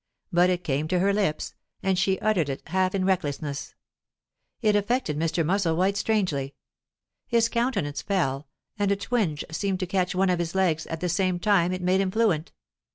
But it came to her lips, and she uttered it half in recklessness. It affected Mr. Musselwhite strangely. His countenance fell, and a twinge seemed to catch one of his legs; at the same time it made him fluent.